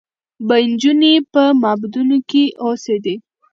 به نجونې په معبدونو کې اوسېدې